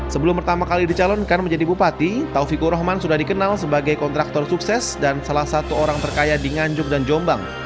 sebelum pertama kali dicalonkan menjadi bupati taufikur rahman sudah dikenal sebagai kontraktor sukses dan salah satu orang terkaya di nganjuk dan jombang